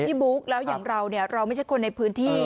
พี่บุ๊กแล้วอย่างเราเราไม่ใช่คนในพื้นที่